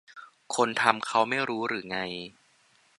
คนทำเค้าไม่รู้หรือไง